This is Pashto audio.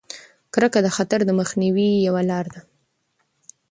کرکه د خطر د مخنیوي یوه لاره ده.